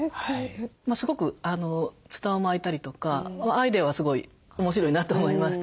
すごくツタを巻いたりとかアイデアはすごい面白いなと思いました。